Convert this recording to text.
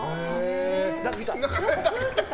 何か来た？